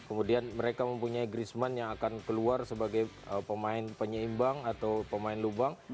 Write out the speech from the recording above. kemudian mereka mempunyai grisman yang akan keluar sebagai pemain penyeimbang atau pemain lubang